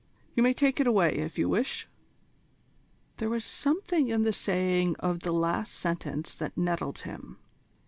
"You may take it away, if you wish." There was something in the saying of the last sentence that nettled him.